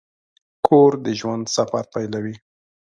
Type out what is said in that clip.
کور د ژوند سفر پیلوي.